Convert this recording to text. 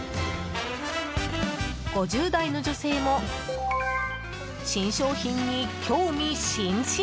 ５０代の女性も新商品に興味津々。